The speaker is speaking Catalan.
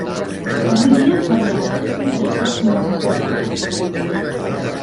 Avui dia parlem d'aquest concepte com a multimèdia.